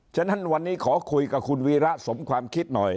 ฉะนั้นวันนี้ขอคุยกับคุณวีระสมความคิดหน่อย